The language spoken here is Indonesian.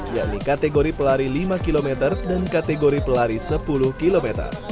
yakni kategori pelari lima km dan kategori pelari sepuluh km